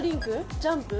ジャンプ？